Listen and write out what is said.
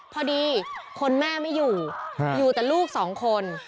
พอดีคนแม่ไม่อยู่อยู่แต่ลูกสองคน